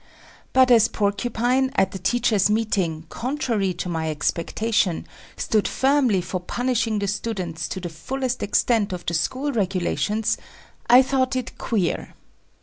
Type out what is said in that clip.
But as Porcupine, at the teachers' meeting, contrary to my expectation, stood firmly for punishing the students to the fullest extent of the school regulations, I thought it queer.